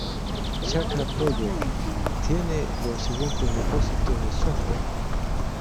Chakra Project tiene los siguientes depósitos de software.